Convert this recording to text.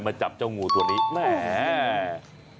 มาจับเจ้างูตัวนี้แหม